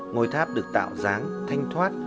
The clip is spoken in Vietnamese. ngôi tháp được tạo dáng thanh thoát